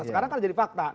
sekarang kan jadi fakta